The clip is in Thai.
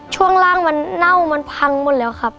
ช่วงล่างมันเน่ามันพังหมดแล้วครับ